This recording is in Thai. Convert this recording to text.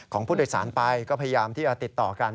ของผู้โดยสารไปก็พยายามที่จะติดต่อกัน